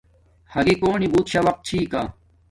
ھاگی کونی بوت شا وقت چھی کا